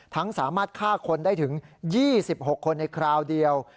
สามารถฆ่าคนได้ถึง๒๖คนในคราวเดียว